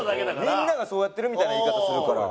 みんながそうやってるみたいな言い方するから。